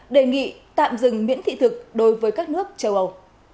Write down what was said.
đề nghị tạm dừng miễn thị thực đối với các nước châu âu